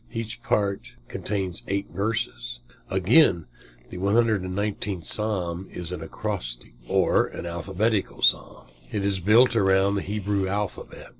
Each part contains eight verses. Again, the 119th Psalm is an acrostic, or an alphabetical Psalm. It is built around the Hebrew alphabet.